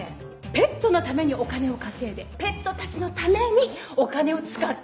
ペットのためにお金を稼いでペットたちのためにお金を使ってるの。